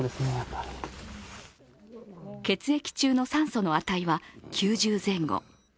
血液中の酸素の値は９０前後。